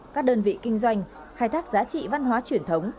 các đơn vị kinh doanh khai thác giá trị văn hóa truyền thống